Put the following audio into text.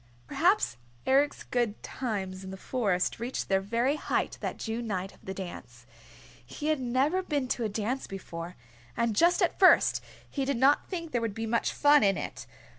... Perhaps Eric's good times in the Forest reached their very height that June night of the dance. He had never been to a dance before, and just at first he did not think there would be much fun in it.